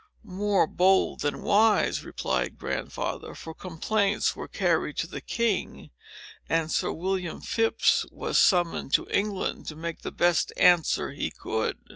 "More bold than wise," replied Grandfather; "for complaints were carried to the king, and Sir William Phips was summoned to England, to make the best answer he could.